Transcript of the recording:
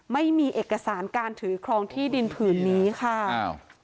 ไม่มีเอกสารการถือครองที่ดินผืนนี้ค่ะอ้าว